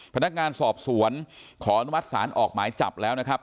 พนักงานสอบสวนขออนุมัติศาลออกหมายจับแล้วนะครับ